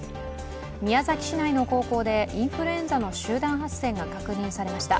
宮崎市内の高校でインフルエンザの集団発生が確認されました。